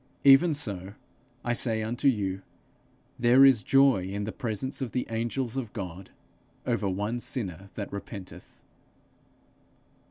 'Even so, I say unto you, there is joy in the presence of the angels of God over one sinner that repenteth.'